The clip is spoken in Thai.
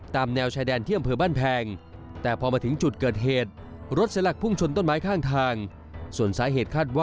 ตามแนวชายแดนเที่ยมเผือบ้านแพงแต่พอมาถึงจุดเกิดเหตุ